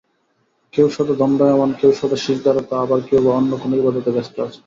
কেউ সদা দণ্ডায়মান, কেউ সদা সিজদারত আবার কেউবা অন্য কোন ইবাদতে ব্যস্ত আছেন।